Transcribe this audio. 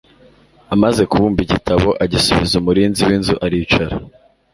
«Amaze kubumba igitabo, agisubiza umurinzi w'inzu, aricara.»